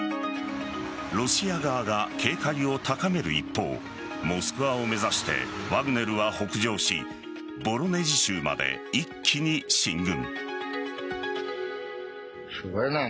ロシア側が、警戒を高める一方モスクワを目指してワグネルは北上しボロネジ州まで一気に進軍。